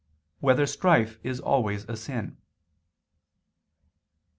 1] Whether Strife Is Always a Sin?